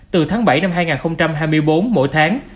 từ tháng bảy năm hai nghìn hai mươi bốn mỗi tháng